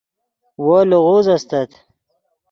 وو لیغوز استت